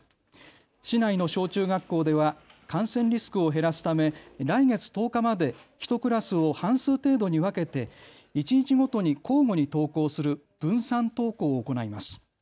市内の小中学校では感染リスクを減らすため来月１０日まで１クラスを半数程度に分けて一日ごとに交互に登校する分散登校を行います。